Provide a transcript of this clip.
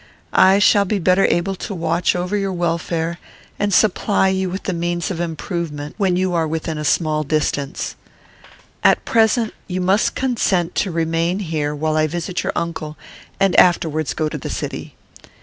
I shall be better able to watch over your welfare, and supply you with the means of improvement, when you are within a small distance. At present, you must consent to remain here, while I visit your uncle, and afterwards go to the city.